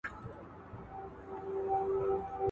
املا د اورېدلو وړتیا په عملي توګه ازمويي.